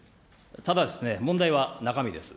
ただですね、問題は中身です。